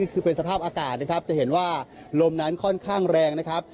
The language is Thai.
คือเป็นสภาพอากาศนะครับจะเห็นว่าลมนั้นค่อนข้างแรงนะครับ